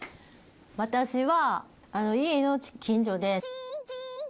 私は。